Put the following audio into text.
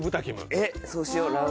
えっそうしよう。